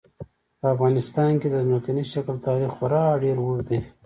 په افغانستان کې د ځمکني شکل تاریخ خورا ډېر اوږد دی.